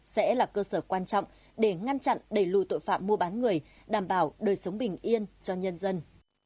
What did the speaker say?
sẽ là cơ sở quan trọng để ngăn chặn đẩy lùi tội phạm mua bán người đảm bảo đời sống bình yên cho nhân dân